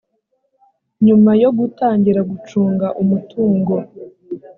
nyuma yo gutangira gucunga umutungo